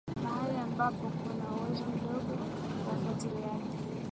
mahali ambapo kuna uwezo mdogo wa ufuatiliaji